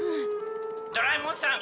ドラえもんさん